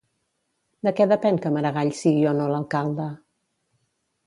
De què depèn que Maragall sigui o no l'alcalde?